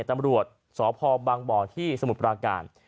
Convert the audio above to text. ตำรวจสพบังบ่อที่สมุทรปราการ